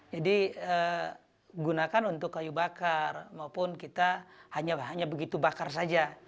jadi gunakan untuk kayu bakar maupun kita hanya begitu bakar saja